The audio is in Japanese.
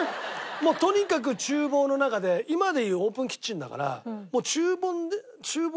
もうとにかく厨房の中で今でいうオープンキッチンだから。